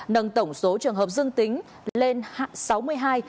nâng tổng số trường hợp dương tính